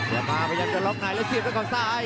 เดี๋ยวมาพยายามจะลับหน่ายแล้วเสียบลายข้างซ้าย